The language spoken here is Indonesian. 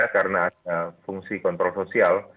karena ada fungsi kontrol sosial